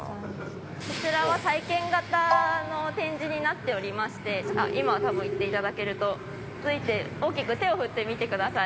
こちらは体験型の展示になっておりまして今多分行って頂けると大きく手を振ってみてください。